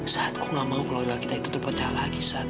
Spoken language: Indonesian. sat gue gak mau keluarga kita itu terpecah lagi sat